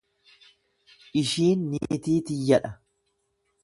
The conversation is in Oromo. Ishiin niitii tiyya dha